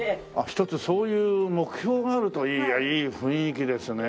一つそういう目標があるといいいやいい雰囲気ですね。